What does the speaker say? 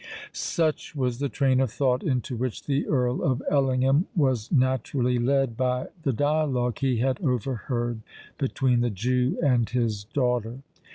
Such was the train of thought into which the Earl of Ellingham was naturally led by the dialogue he had overheard between the Jew and his daughter.